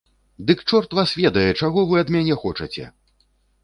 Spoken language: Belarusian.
Дык чорт вас ведае, чаго вы ад мяне хочаце!